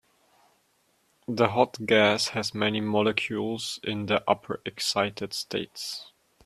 The hot gas has many molecules in the upper excited states.